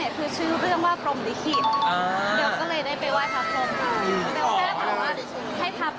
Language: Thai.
เนี้ยคือชื่อเรื่องว่ากรมลิขิตอ๋อเบลก็เลยได้ไปไหว้พาพรม